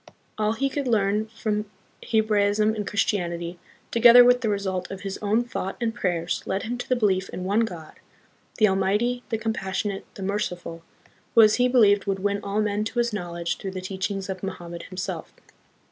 All he could learn from 38 THE PHILIPPINES. Hebraism and Christianity, together with the result of his own thought and prayers, led him to the belief in one God, the Almighty, the Compassionate, the Merciful, who as he believed would win all men to His knowledge through the teachings of Mohammed himself.